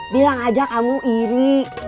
bilang aja kamu iri